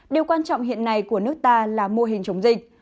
điều quan trọng hiện nay của nước ta là mô hình chống dịch